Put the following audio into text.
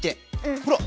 ほら。